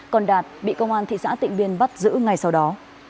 còn đạt bị công an thị xã tịnh biên bắt giữ ngay sau đó